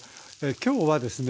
今日はですね